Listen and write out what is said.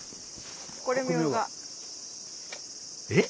えっ？